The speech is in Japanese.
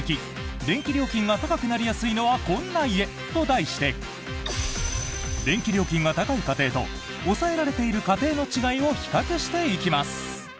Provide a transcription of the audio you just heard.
電気料金が高くなりやすいのはこんな家と題して電気料金が高い家庭と抑えられている家庭の違いを比較していきます。